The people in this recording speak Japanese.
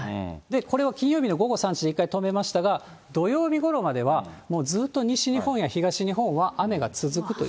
これは金曜日の午後３時で一回止めましたが、土曜日ごろまではもうずっと西日本や東日本は雨が続くという。